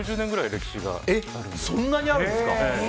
そんなにあるんですか。